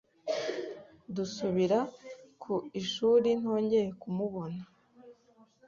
Dusubira ku ishuri ntongeye kumubona.